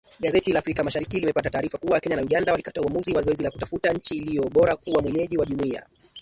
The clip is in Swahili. Gazeti la Afrika Mashariki limepata taarifa kuwa Kenya na Uganda walikataa uamuzi wa zoezi la kutafuta nchi iliyo bora kuwa mwenyeji wa jumuiya.